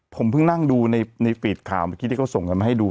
ผมเพิ่งนั่งดูในฟีดข่าวเมื่อกี้ที่เขาส่งกันมาให้ดู